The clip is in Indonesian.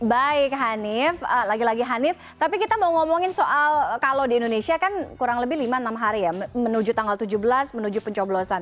baik hanif lagi lagi hanif tapi kita mau ngomongin soal kalau di indonesia kan kurang lebih lima enam hari ya menuju tanggal tujuh belas menuju pencoblosan